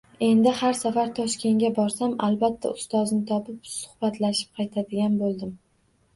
Endi har safar Toshkentga borsam, albatta ustozni topib, suhbatlashib qaytadigan bo’ldim.